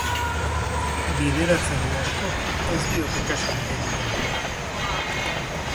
Bideratzaile askok ez diote kasurik egiten.